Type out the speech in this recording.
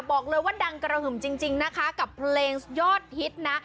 บอกเลยว่าดังกระหึ่มจริงนะคะกับเพลงยอดฮิตนะ